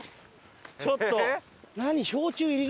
ちょっと何？